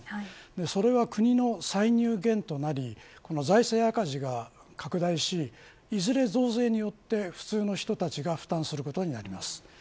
それは国の歳入減となり財政赤字が拡大しいずれ増税によって普通の人たちが負担することになります。